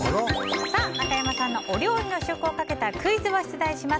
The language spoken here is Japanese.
中山さんのお料理の試食をかけたクイズを出題します。